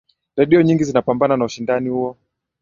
redio nyingi zinapambana na ushindani huo